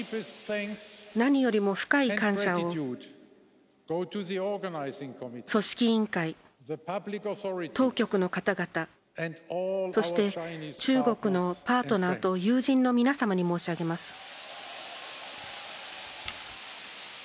何よりも深い感謝を組織委員会、当局の方々そして中国のパートナーと友人の皆様に申し上げます。